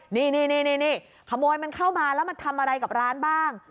นี่ขโมยมันเข้ามาแล้วมันทำอะไรกับร้านบ้าง